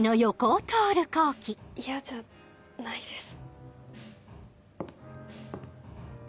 嫌じゃないです